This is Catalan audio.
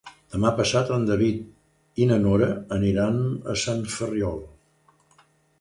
Demà passat en David i na Nora aniran a Sant Ferriol.